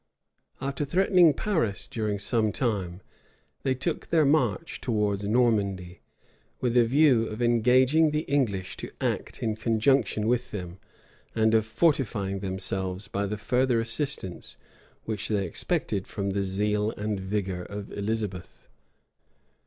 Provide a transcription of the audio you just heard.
After threatening Paris during some time, they took their march towards Normandy, with a view of engaging the English to act in conjunction with them, and of fortifying themselves by the further assistance which they expected from the zeal and vigor of Elizabeth.